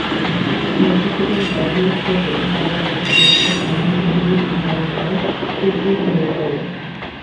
মধুসূদন বাইরের ঘরে যাবার পথে দেখলে শ্যামাসুন্দরী সেই বারান্দায় উপুড় হয়ে পড়ে।